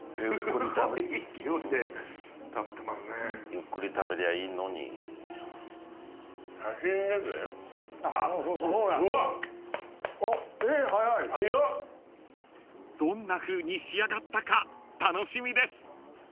［どんなふうに仕上がったか楽しみです］